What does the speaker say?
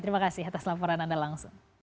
terima kasih atas laporan anda langsung